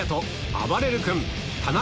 あばれる君田中